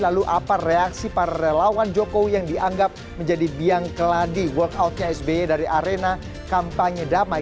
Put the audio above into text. lalu apa reaksi para relawan jokowi yang dianggap menjadi biang keladi walkoutnya sby dari arena kampanye damai